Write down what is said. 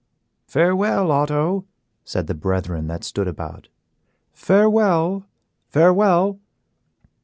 "Farewell, Otto," said the brethren that stood about, "farewell, farewell."